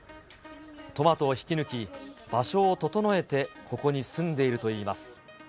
トマトを引き抜き、場所を整えてここに住んでいるといいます。